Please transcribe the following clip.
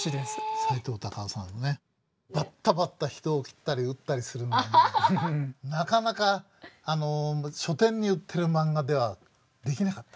バッタバッタ人を斬ったり撃ったりするんでなかなか書店に売ってるマンガではできなかった。